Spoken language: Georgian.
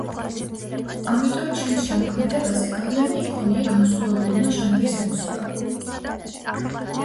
ამიტომ ჩემს შემოქმედებაზე გავლენა იქონია განსხვავებულმა ჟანრის მუსიკამ.